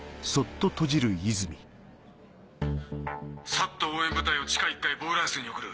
ＳＡＴ応援部隊を地下１階ボイラー室に送る。